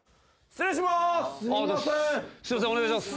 失礼します